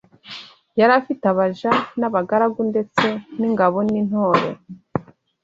yari afite abaja n' abagaragu ndetse n' ingabo n’intore